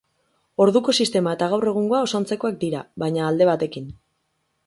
Orduko sistema eta gaur egungoa oso antzekoak dira, baina alde batekin.